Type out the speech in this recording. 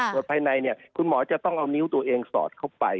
ภายในเนี่ยคุณหมอจะต้องเอานิ้วตัวเองสอดเข้าไป